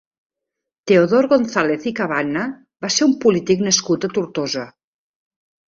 Teodor Gonzàlez i Cabanne va ser un polític nascut a Tortosa.